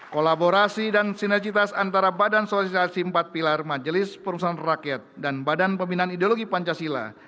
kolaborasi dan sinergitas antara badan sosialisasi empat pilar majelis perusahaan rakyat dan badan pembinaan ideologi pancasila